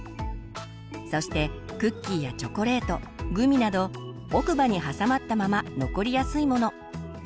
そしてクッキーやチョコレートグミなど奥歯にはさまったまま残りやすいもの。